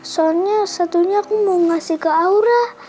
soalnya satunya aku mau ngasih ke aura